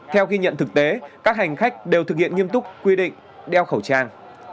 theo ghi nhận thực tế các hành khách đều thực hiện nghiêm túc quy định đeo khẩu trang